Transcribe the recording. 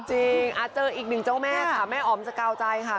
จริงเจออีกหนึ่งเจ้าแม่ค่ะแม่อ๋อมสกาวใจค่ะ